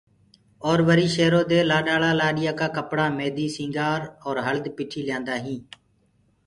اور وري شيرو دي لآڏآݪآ لآڏيآ ڪآ ڪپڙآ، ميدي، سنگھآر اور هݪد پِٺي ليآندآ هينٚ